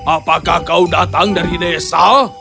apakah kau datang dari desa